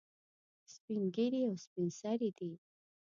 سپین ږیري او سپین سرې دي.